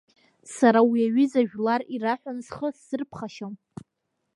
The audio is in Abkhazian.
Сара уи аҩыза жәлар ираҳәан схы сзырԥхашьом.